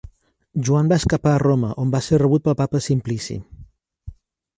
Joan va escapar a Roma, on va ser rebut pel Papa Simplici.